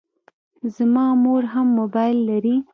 زما مور هم موبایل لري.